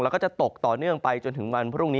แล้วก็จะตกต่อเนื่องไปจนถึงวันพรุ่งนี้